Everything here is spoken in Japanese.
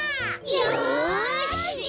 よし！